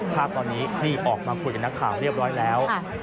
ภาพตอนนี้นี่ออกมาคุยกับนักข่าวเรียบร้อยแล้ว